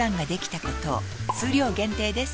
数量限定です